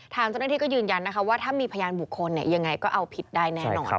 ทางเจ้าหน้าที่ก็ยืนยันนะคะว่าถ้ามีพยานบุคคลยังไงก็เอาผิดได้แน่นอน